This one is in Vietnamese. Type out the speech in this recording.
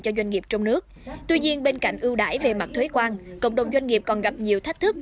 cho doanh nghiệp trong nước tuy nhiên bên cạnh ưu đải về mặt thuế quan cộng đồng doanh nghiệp còn gặp nhiều thách thức